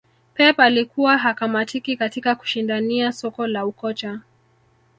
Pep alikuwa hakamatiki katika kushindania soko la ukocha